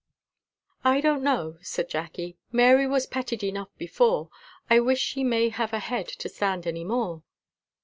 "I don't know," said Jacky; "Mary was petted enough before, I wish she may have a head to stand any more."